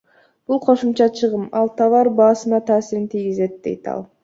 Бул кошумча чыгым, ал товар баасына таасирин тийгизет, — дейт ал.